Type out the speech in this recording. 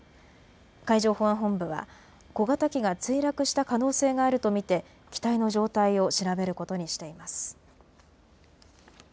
海上保安本部は小型機が墜落した可能性があると見て機体の状態を調べることにしています。